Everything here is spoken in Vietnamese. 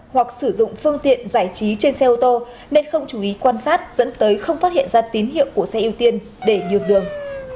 hoặc sử dụng phương tiện giải trí trên xe ô tô nên không chú ý quan sát dẫn tới không phát hiện ra tín hiệu của xe ưu tiên để nhường đường